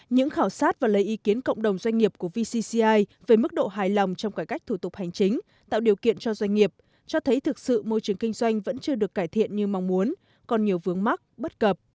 những khảo sát và lấy ý kiến cộng đồng doanh nghiệp của vcci về mức độ hài lòng trong cải cách thủ tục hành chính tạo điều kiện cho doanh nghiệp cho thấy thực sự môi trường kinh doanh vẫn chưa được cải thiện như mong muốn còn nhiều vướng mắc bất cập